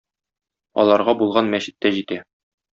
Аларга булган мәчет тә җитә.